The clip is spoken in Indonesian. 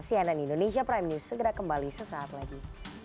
cnn indonesia prime news segera kembali sesaat lagi